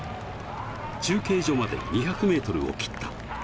中継所まで２００ｍを切った。